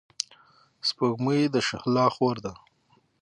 سپوږمۍ د شهلا خور ده.